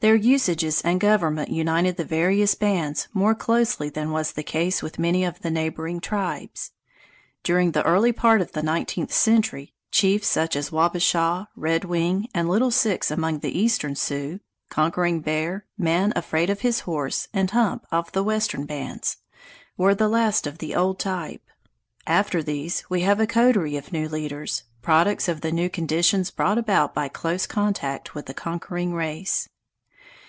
Their usages and government united the various bands more closely than was the case with many of the neighboring tribes. During the early part of the nineteenth century, chiefs such as Wabashaw, Redwing, and Little Six among the eastern Sioux, Conquering Bear, Man Afraid of His Horse, and Hump of the western bands, were the last of the old type. After these, we have a coterie of new leaders, products of the new conditions brought about by close contact with the conquering race.